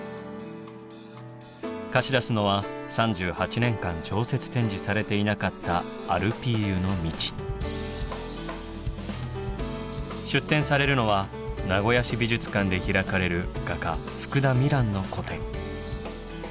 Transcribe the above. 貸し出すのは３８年間常設展示されていなかった出展されるのは名古屋市美術館で開かれる画家福田美蘭の個展。